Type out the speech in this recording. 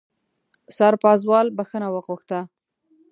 سرپازوال بښنه وغوښته.